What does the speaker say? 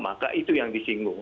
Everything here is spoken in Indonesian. maka itu yang disinggung